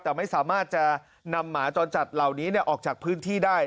แต่ไม่สามารถจะนำหมาจรจัดเหล่านี้ออกจากพื้นที่ได้